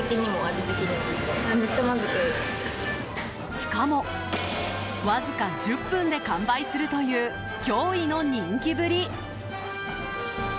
しかも、わずか１０分で完売するという驚異の人気ぶり。